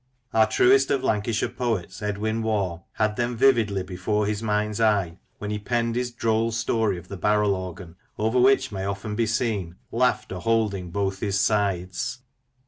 Our truest of Lanca cashire poets, Edwin Waugh, had them vividly before his mind's eye when he penned his droll story of " The Barrel Organ," over which may often be seen " Laughter holding both his sides."